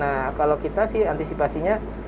nah kalau kita sih antisipasinya